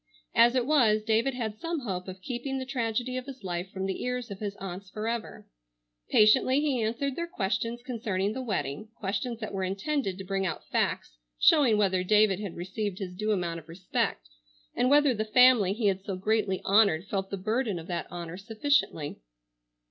As it was, David had some hope of keeping the tragedy of his life from the ears of his aunts forever. Patiently he answered their questions concerning the wedding, questions that were intended to bring out facts showing whether David had received his due amount of respect, and whether the family he had so greatly honored felt the burden of that honor sufficiently.